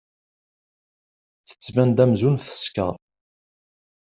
Tettban-d amzun teskeṛ.